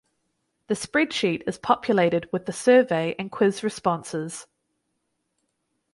The spreadsheet is populated with the survey and quiz responses.